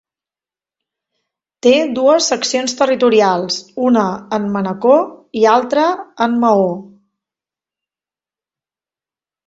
Té dues Seccions Territorials: una en Manacor i altra en Maó.